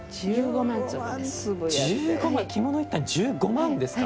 着物１反に１５万ですか！？